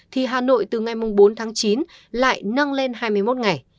thì hà nội từ ngày bốn tháng chín lại nâng lên hai mươi một ngày